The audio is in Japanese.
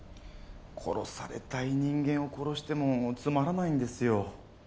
殺されたい人間を殺してもつまらないんですよ。